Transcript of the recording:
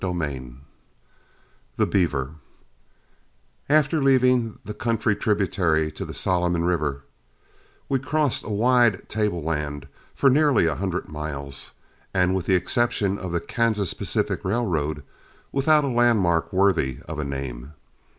CHAPTER XV THE BEAVER After leaving the country tributary to the Solomon River, we crossed a wide tableland for nearly a hundred miles, and with the exception of the Kansas Pacific Railroad, without a landmark worthy of a name.